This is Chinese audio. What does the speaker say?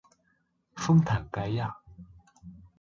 丰坦盖兰。